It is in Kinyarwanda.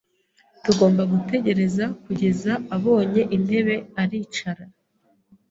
Tugomba gutegereza kugeza abonye intebe aricara.